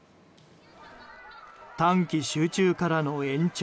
短期集中からの延長。